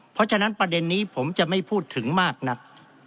เพราะฉะนั้นประเด็นนี้ผมจะไม่พูดถึงมากนัก